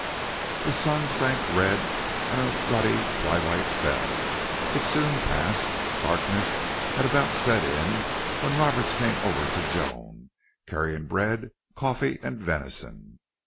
The sun sank red and a ruddy twilight fell. It soon passed. Darkness had about set in when Roberts came over to Joan, carrying bread, coffee, and venison.